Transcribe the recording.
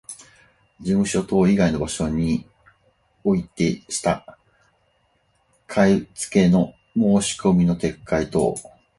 事務所等以外の場所においてした買受けの申込みの撤回等